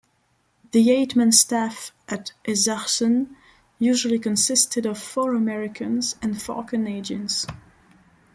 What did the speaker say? The eight-man staff at Isachsen usually consisted of four Americans and four Canadians.